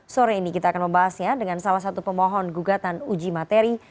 sore ini kita akan membahasnya dengan salah satu pemohon gugatan uji materi